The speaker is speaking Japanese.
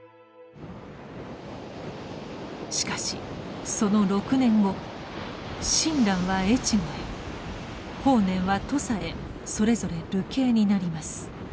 しかしその６年後親鸞は越後へ法然は土佐へそれぞれ流刑になります。